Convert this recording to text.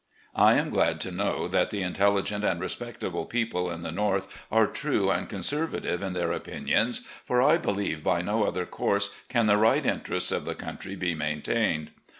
I am glad to know that the intelligent and respectable people at the North are true and conservative in their opinions, for I believe by no other course can the right interests of the country be maintained.